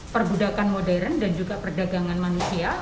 perbudakan modern dan juga perdagangan manusia